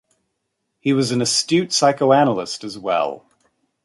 He was an astute psychoanalyst as well.